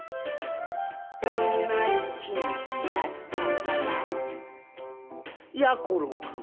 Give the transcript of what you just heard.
「どんな一日だったかな」やころくんは？